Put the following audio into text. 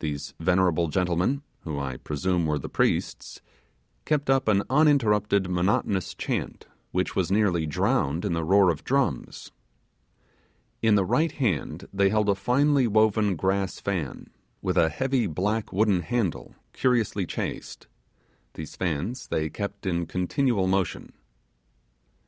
These venerable gentlemen, who I presume were the priests, kept up an uninterrupted monotonous chant, which was partly drowned in the roar of drums. In the right hand they held a finely woven grass fan, with a heavy black wooden handle curiously chased: these fans they kept in continual motion.